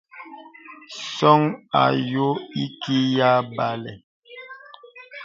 Ǹsɔ̄ŋ à nyɔ̄ɔ̄ ìkì yà bàlə.